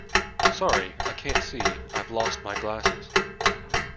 Sorry, I can't see. I've lost my glasses